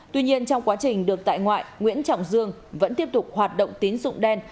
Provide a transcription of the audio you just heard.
tuy nhiên trong quá trình được tại ngoại nguyễn trọng dương vẫn tiếp tục hoạt động tín dụng đen